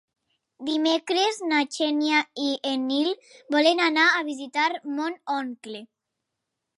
Dimecres na Xènia i en Nil volen anar a visitar mon oncle.